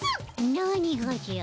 何がじゃ？